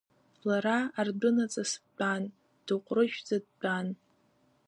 Лара ардәынаҵас дтәан, дыҟәрышәӡа дтәан.